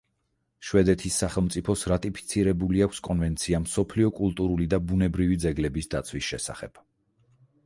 შვედეთის სახელმწიფოს რატიფიცირებული აქვს კონვენცია მსოფლიო კულტურული და ბუნებრივი ძეგლების დაცვის შესახებ.